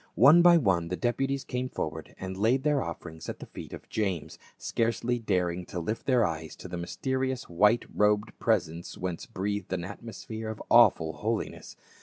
One by one the deputies came forward and laid their offerings at the feet of James, scarcely daring to lift their eyes to the mysterious white robed presence" whence breathed an atmosphere of awful holiness.